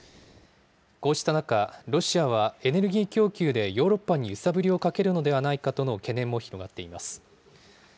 こうした中、ロシアはエネルギー供給でヨーロッパに揺さぶりをかけるのではないかと懸念も広がっています。